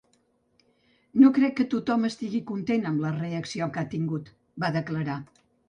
No crec que tothom estigui content amb la reacció que ha tingut, va declarar.